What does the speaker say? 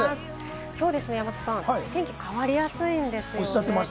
今日は天気が変わりやすいんですよね。